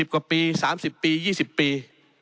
กว่าปี๓๐ปี๒๐ปี